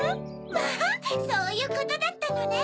まぁそういうことだったのね。